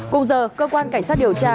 cùng giờ cơ quan cảnh sát điều tra